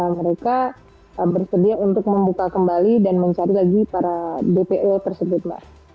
mereka bersedia untuk membuka kembali dan mencari lagi para dpo tersebut mbak